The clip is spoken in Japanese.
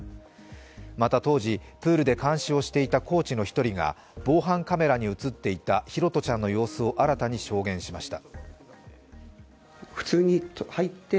また当時、プールで監視をしていたコーチの１人が防犯カメラに映っていた拓杜ちゃんの様子を新たに証言しました。